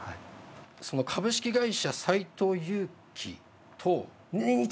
その株式会社斎藤佑樹とネンイチ！